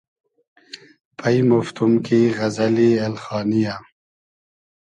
پݷمۉفتوم کی غئزئلی اېلخانی یۂ